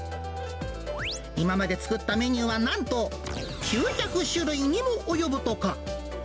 今まで作ったメニューは、なんと９００種類にも及ぶとか。